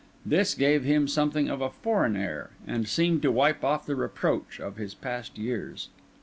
This gave him something of a foreign air, and seemed to wipe off the reproach of his past years.